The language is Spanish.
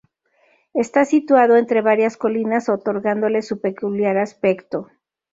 Está situado entre varias colinas, otorgándole su peculiar aspecto.